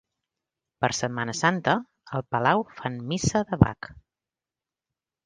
Per Setmana Santa, al Palau fan Missa de Bach.